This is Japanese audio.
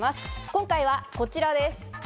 今回はこちらです。